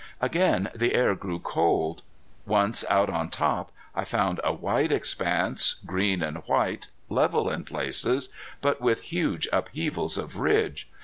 Again the air grew cold. Once out on top I found a wide expanse, green and white, level in places, but with huge upheavals of ridge.